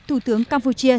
thủ tướng campuchia